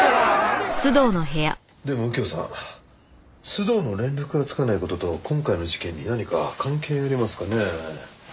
でも右京さん須藤の連絡がつかない事と今回の事件に何か関係ありますかね？